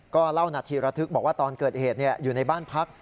ก็เล่านาทีระทึกบอกว่าตอนเกิดเหตุอยู่ในบ้านพัก